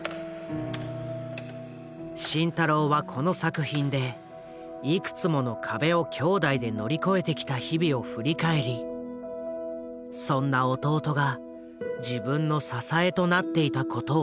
慎太郎はこの作品でいくつもの壁を兄弟で乗り越えてきた日々を振り返りそんな弟が自分の支えとなっていたことをかみしめている。